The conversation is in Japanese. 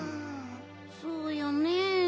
そうよねえ。